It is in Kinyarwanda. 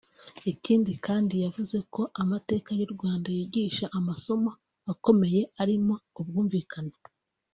Ikindi kandi yavuze ko amateka y’u Rwanda yigisha amasomo akomeye arimo ubwumvikane